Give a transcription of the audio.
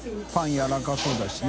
僖やわらかそうだしね。